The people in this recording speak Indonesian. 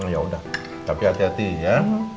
ya udah tapi hati hati ya